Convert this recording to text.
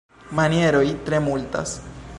Manieroj tre multas.